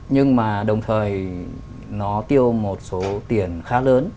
nhưng mà đồng thời nó tiêu một số tiền khá lớn